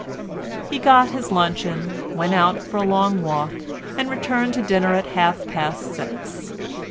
He got his luncheon, went out for a long walk, and returned to dinner at half past six.